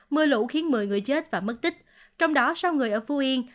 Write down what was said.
mưa lũ khiến một mươi người chết và mất tích trong đó sáu người ở phú yên